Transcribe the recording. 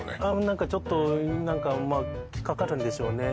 何かちょっとまあ引っ掛かるんでしょうね